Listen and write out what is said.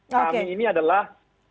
kami ini adalah